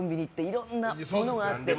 いろんなものがあって。